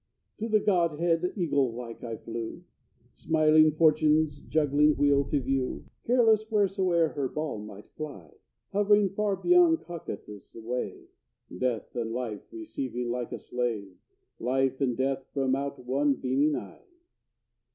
To the godhead, eagle like, I flew, Smiling, fortune's juggling wheel to view, Careless wheresoe'er her ball might fly; Hovering far beyond Cocytus' wave, Death and life receiving like a slave Life and death from out one beaming eye!